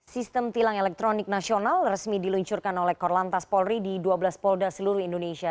sistem tilang elektronik nasional resmi diluncurkan oleh korlantas polri di dua belas polda seluruh indonesia